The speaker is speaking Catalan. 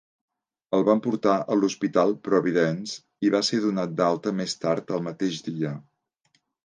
El van portar a l'hospital Providence i va ser donat d'alta més tard el mateix dia.